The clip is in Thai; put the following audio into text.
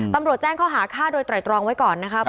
ตำรวจแจ้งข้อหาฆ่าโดยไตรตรองไว้ก่อนนะครับ